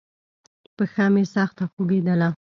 پښه مې سخته خوږېدله.